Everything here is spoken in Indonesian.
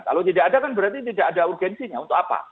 kalau tidak ada kan berarti tidak ada urgensinya untuk apa